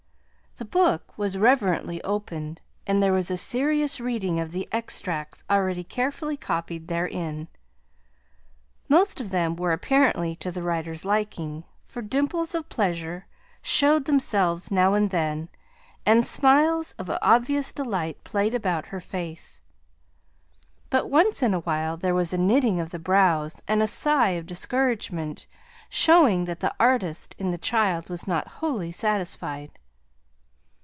The book was reverently opened, and there was a serious reading of the extracts already carefully copied therein. Most of them were apparently to the writer's liking, for dimples of pleasure showed themselves now and then, and smiles of obvious delight played about her face; but once in a while there was a knitting of the brows and a sigh of discouragement, showing that the artist in the child was not wholly satisfied.